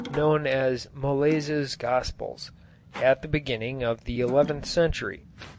known as Molaise's Gospels, at the beginning of the eleventh century.